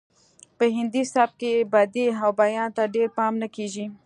په هندي سبک کې بدیع او بیان ته ډیر پام نه کیږي